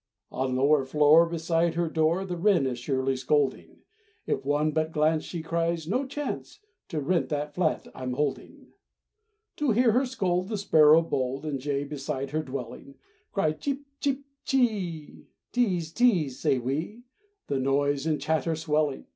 On lower floor, Beside her door, The wren is surely scolding. If one but glance She cries, "No chance To rent the flat I'm holding." To hear her scold, The sparrow bold And jay, beside her dwelling, Cry, "Tschip, tschip, chee!" "Tease! tease! say we!" The noise and chatter swelling.